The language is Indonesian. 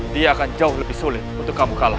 dia akan jauh lebih sulit untuk kamu kalah